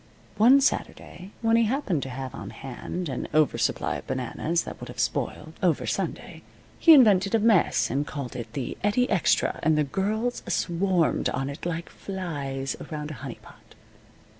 One Saturday, when he happened to have on hand an over supply of bananas that would have spoiled over Sunday, he invented a mess and called it the Eddie Extra, and the girls swarmed on it like flies around a honey pot.